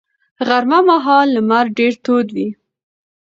غرمه مهال لمر ډېر تود وي